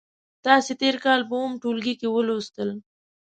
تاسې تېر کال په اووم ټولګي کې ولوستل.